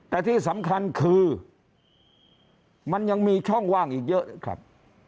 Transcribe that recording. แต่ที่สำคัญคือมันยังมีช่องว่างอีกเยอะครับ